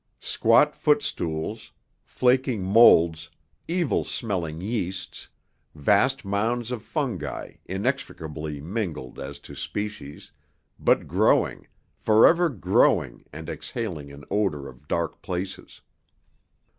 Squat footstools, flaking molds, evil smelling yeasts, vast mounds of fungi inextricably mingled as to species, but growing, forever growing and exhaling an odor of dark places.